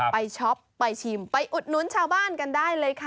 ช็อปไปชิมไปอุดหนุนชาวบ้านกันได้เลยค่ะ